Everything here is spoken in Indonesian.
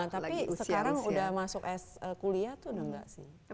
tapi sekarang udah masuk kuliah tuh enggak sih